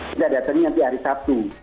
kita datangin nanti hari sabtu